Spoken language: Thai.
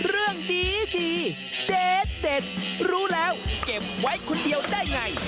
เรื่องดีเด็ดรู้แล้วเก็บไว้คนเดียวได้ไง